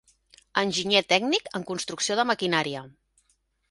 Enginyer Tècnic en Construcció de Maquinària.